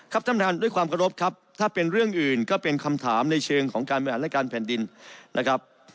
ท่านประธานด้วยความกระรบครับถ้าเป็นเรื่องอื่นก็เป็นคำถามในเชิงของการบริหารรายการแผ่นดินนะครับ